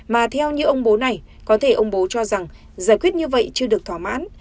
mà theo như ông bố này có thể ông bố cho rằng giải quyết như vậy chưa được thỏa mãn